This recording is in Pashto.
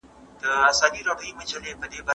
هغه وخت مې په یاد دی چي کتاب مې اخیستی و.